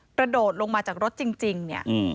กระโดดลงมาจากรถจริงเนี่ย